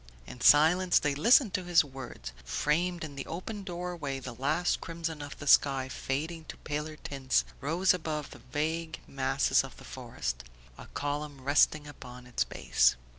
In silence they listened to his words. Framed in the open door way the last crimson of the sky, fading to Paler tints, rose above the vague masses of the forest, a column resting upon its base.